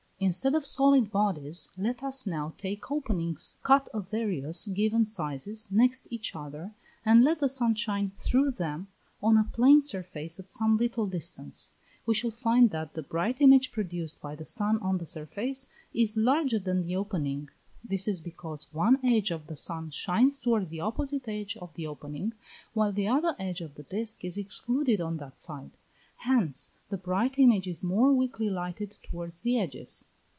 Instead of solid bodies let us now take openings cut of various given sizes next each other, and let the sun shine through them on a plane surface at some little distance; we shall find that the bright image produced by the sun on the surface, is larger than the opening; this is because one edge of the sun shines towards the opposite edge of the opening, while the other edge of the disk is excluded on that side. Hence the bright image is more weakly lighted towards the edges.